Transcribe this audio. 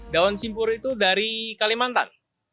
daun simpur itu dari kalimantan